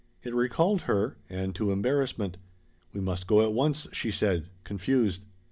It recalled her, and to embarrassment. "We must go at once," she said, confused.